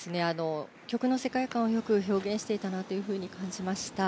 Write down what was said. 曲の世界観をよく表現していたなと感じました。